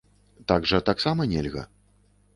Так жа таксама нельга.